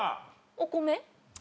お米。